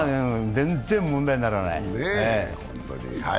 全然問題にならない。